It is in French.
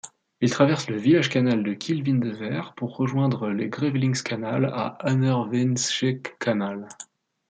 Il traverse le village-canal de Kiel-Windeweer pour rejoindre le Grevelingskanaal à Annerveenschekanaal.